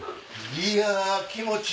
いや気持ちいい！